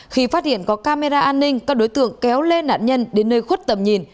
khi phát hiện có camera an ninh các đối tượng kéo lê nạn nhân đến nơi khuất tầm nhìn